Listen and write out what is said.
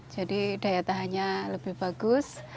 jadi daya tahannya lebih bagus